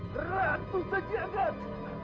dia bukan copet